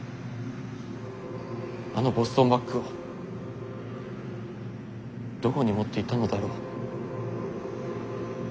あのボストンバッグをどこに持って行ったのだろう」。